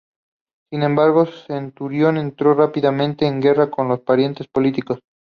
Sin embargo, Centurión entró rápidamente en guerra con sus parientes políticos.